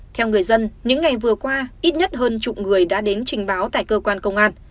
theo người dân những ngày vừa qua ít nhất hơn chục người đã đến trình báo tại cơ quan